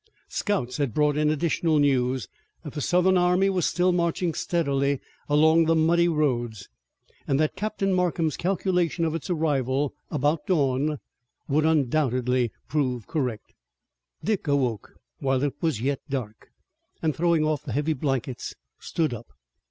Scouts had brought in additional news that the Southern army was still marching steadily along the muddy roads, and that Captain Markham's calculation of its arrival about dawn would undoubtedly prove correct. Dick awoke while it was yet dark, and throwing off the heavy blankets stood up.